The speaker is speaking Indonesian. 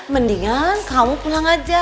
mendingan kamu pulang aja